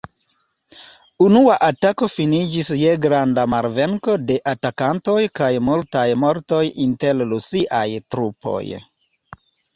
Unua atako finiĝis je granda malvenko de atakantoj kaj multaj mortoj inter Rusiaj trupoj.